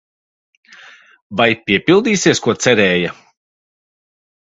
Vai piepildīsies, ko cerēja?